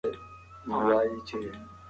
هغه کتابچې چي ما ليکلې وې ورکې سوې.